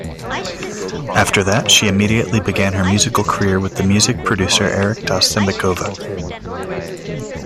After that, she immediately began her musical career with the music producer Eric Tastambekova.